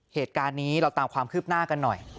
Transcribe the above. เหตุการณ์นี้เราตามความคืบหน้ากันหน่อย